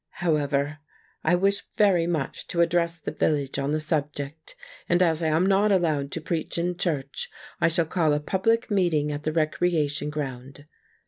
However, I wish very much to address the village on the sub ject, and as I am not allowed to preach in church I shall call a public meeting on the recreation ground.